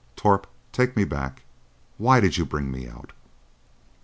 Torp, take me back. Why did you bring me out?"